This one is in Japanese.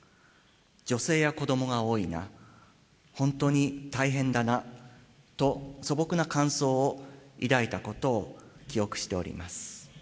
女性や子どもが多いな、本当に大変だなと素朴な感想を抱いたことを記憶しております。